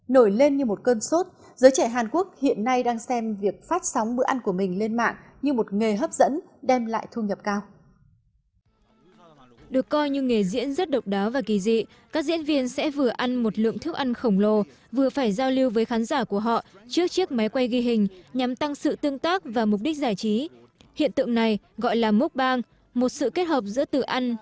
nổi lên như một cơn sốt giới trẻ hàn quốc hiện nay đang xem việc phát sóng bữa ăn của mình lên mạng như một nghề hấp dẫn